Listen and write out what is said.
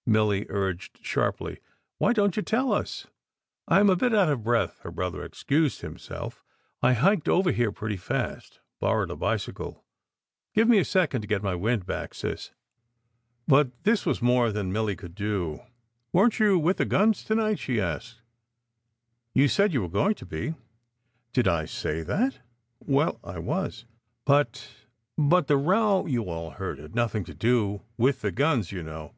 " Milly urged him sharply. " Why don t you tell us?" "I m a bit out of breath," her brother excused himself. " I hiked over here pretty fast borrowed a bicycle. Give me a second to get my wind back, sis." But this was more than Milly could do. "Weren t you 118 SECRET HISTORY with the guns to night?" she asked. "You said you were going to be." "Did I say that? Well, I was. But but the row you all heard had nothing to do with the guns, you know.